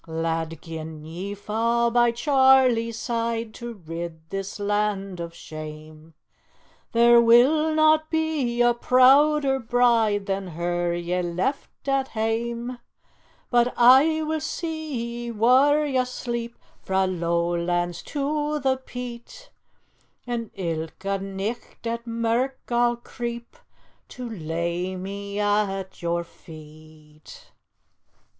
"Lad, gin ye fa' by Chairlie's side, To rid this land o' shame, There will na be a prouder bride Than her ye left at hame; But I will see ye whaur ye sleep Frae lowlands to the peat, And ilka nicht at mirk I'll creep To lay me at yer feet."